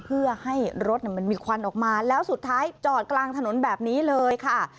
เพื่อให้รถมันมีควันออกมาแล้วสุดท้ายจอดกลางถนนแบบนี้เลยค่ะ